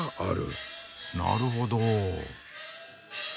なるほど。